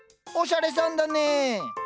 おしゃれさんだね。